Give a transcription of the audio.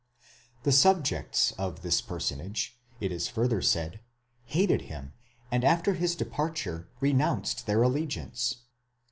The subjects of this personage, it is further said, hated him, and after his departure renounced their allegiance.